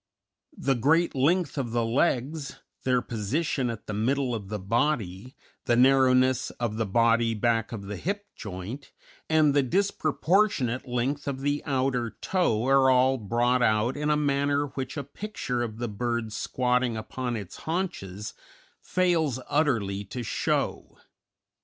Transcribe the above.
The great length of the legs, their position at the middle of the body, the narrowness of the body back of the hip joint, and the disproportionate length of the outer toe are all brought out in a manner which a picture of the bird squatting upon its haunches fails utterly to show.